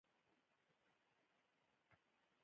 دا په فارسي هم ژباړل شوی دی.